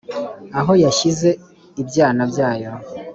Aho yashyize ibyana byayo